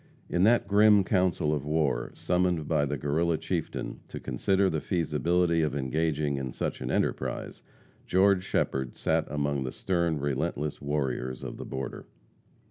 In that grim council of war, summoned by the Guerrilla chieftain to consider the feasibility of engaging in such an enterprise, George Shepherd sat among the stern, relentless warriors of the border.